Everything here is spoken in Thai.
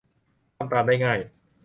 ทำตามได้ง่าย